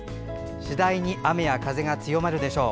次第に雨や風が強まるでしょう。